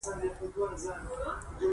زه یې په مقصد پوه شوم، د دې مقصد دا و.